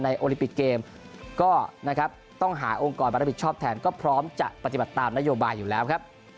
ในโอลิปิตเกมก็ต้องหาองค์กรบันไดบิจชอบแทนก็พร้อมจะปฏิบัติตามนโยบายอยู่แล้วครับ